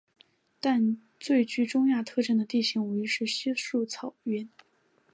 但最具中亚特征的地形无疑是稀树草原。